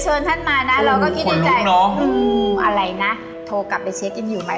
พอท่านมานะเราก็ขึ้นใจอะไรนะโทรกลับไปเช็กอินอยู่มั้ย